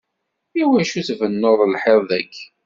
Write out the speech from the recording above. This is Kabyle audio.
Iwacu tbennuḍ lḥiḍ dayi?